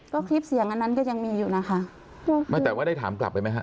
ก็คลิปเสียงอันนั้นก็ยังมีอยู่นะคะไม่แต่ว่าได้ถามกลับไปไหมฮะ